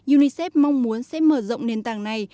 unicef mong muốn sẽ mở rộng nền tảng này